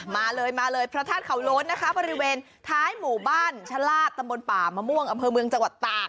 มาเลยมาเลยพระธาตุเขาโล้นนะคะบริเวณท้ายหมู่บ้านชะลาดตำบลป่ามะม่วงอำเภอเมืองจังหวัดตาก